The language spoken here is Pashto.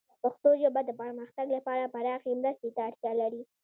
پښتو ژبه د پرمختګ لپاره پراخې مرستې ته اړتیا لري.